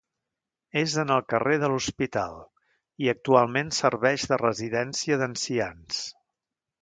És en el carrer de l'Hospital, i actualment serveix de residència d'ancians.